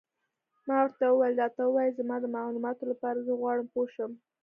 ما ورته وویل: راته ووایه، زما د معلوماتو لپاره، زه غواړم پوه شم.